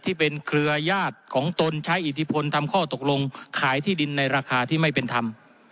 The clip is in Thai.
เครือญาติของตนใช้อิทธิพลทำข้อตกลงขายที่ดินในราคาที่ไม่เป็นธรรม